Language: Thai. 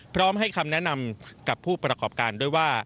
พร้อมให้คำแนะนำกับผู้ประกอบการด้วยว่า